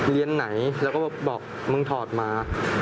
เรียนไหนแล้วก็บอกมึงถอดมา